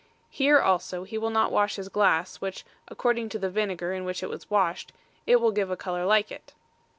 Here also he will not wash his glass, which (according to the vinegar in which it was washed) will give it a colour like it.